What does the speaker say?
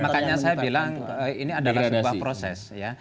makanya saya bilang ini adalah sebuah proses ya